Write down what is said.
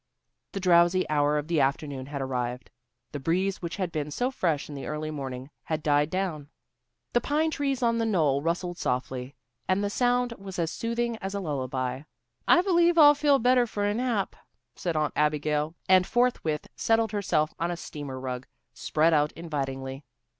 The drowsy hour of the afternoon had arrived. The breeze which had been so fresh in the early morning had died down. The pine trees on the knoll rustled softly, and the sound was as soothing as a lullaby. "I believe I'll feel better for a nap," said Aunt Abigail, and forthwith settled herself on a steamer rug, spread out invitingly.